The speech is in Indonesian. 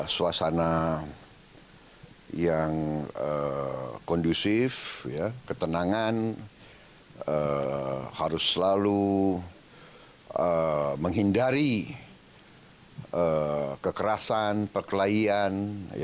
suasana yang kondusif ketenangan harus selalu menghindari kekerasan perkelahian